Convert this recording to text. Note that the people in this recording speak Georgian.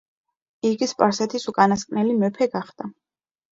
იგი სპარსეთის უკანასკნელი მეფე გახდა.